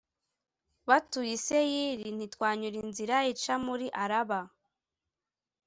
batuye i Seyiri, ntitwanyura inzira ica muri Araba,